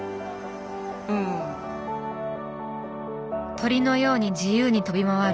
鳥のように自由に飛び回る。